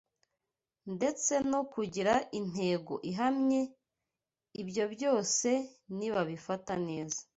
ndetse no kugira intego ihamye, ibyo byose nibabifata neza